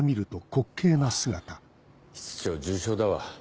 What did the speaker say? あぁ室長重症だわ。